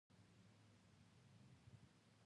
د افغانستان موقعیت د افغانستان د زرغونتیا نښه ده.